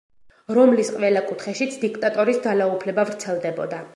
რომლის ყველა კუთხეშიც დიქტატორის ძალაუფლება ვრცელდებოდა.